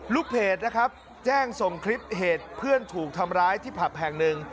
ลูกเพจนะครับแจ้งส่งคลิปเหตุเพื่อนถูกทำร้ายที่ผับแห่งหนึ่ง